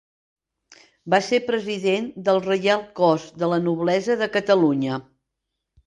Va ser president del Reial Cos de la Noblesa de Catalunya.